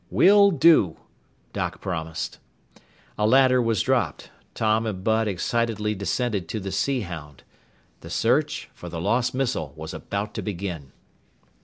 "Will do," Doc promised. A ladder was dropped. Tom and Bud excitedly descended to the Sea Hound. The search for the lost missile was about to begin!